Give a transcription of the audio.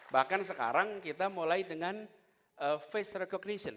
bahkan sekarang kita mulai dengan face recognition